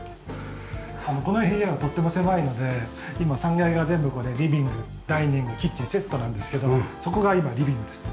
この部屋はとっても狭いので今３階が全部リビングダイニングキッチンセットなんですけどそこが今リビングです。